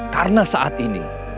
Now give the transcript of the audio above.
karena saat ini